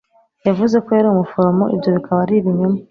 Yavuze ko yari umuforomo, ibyo bikaba ari ibinyoma.